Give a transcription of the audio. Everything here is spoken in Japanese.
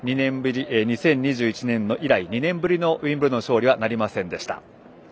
２０２１年以来、２年ぶりのウィンブルドン勝利はなりませんでした。